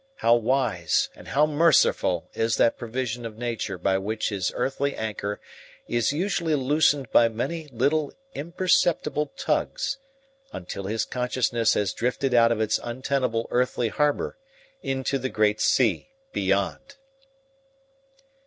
How wise and how merciful is that provision of nature by which his earthly anchor is usually loosened by many little imperceptible tugs, until his consciousness has drifted out of its untenable earthly harbor into the great sea beyond!